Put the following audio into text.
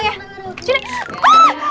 basah basah basah